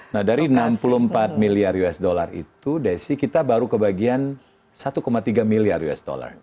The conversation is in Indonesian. nah dari enam puluh empat miliar usd itu desi kita baru kebagian satu tiga miliar usd